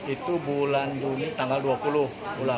itu bulan juni tanggal dua puluh bulan